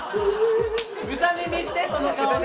うさみみしてその顔で！